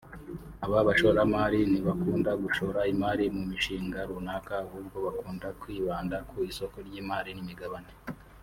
Aba bashoramari ntibakunda gushora imari mu mishinga runaka ahubwo bakunda kwibanda ku isoko ry’imari n’imigabane